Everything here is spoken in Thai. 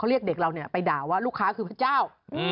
เรียกเด็กเราไปด่าว่าลูกค้าคือพระเจ้า